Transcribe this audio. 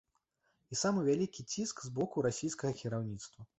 І самы вялікі ціск з боку расійскага кіраўніцтва.